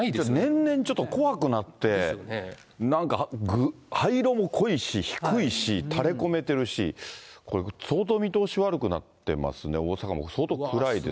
年々ちょっと怖くなって、なんか灰色も濃いし、低いし、垂れこめてるし、これ、相当見通し悪くなってますね。